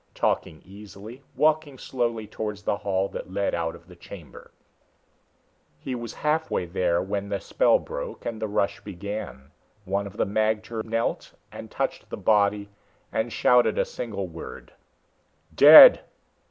Talking easily, walking slowly towards the hall that led out of the chamber. He was halfway there when the spell broke and the rush began. One of the magter knelt and touched the body, and shouted a single word: "Dead!"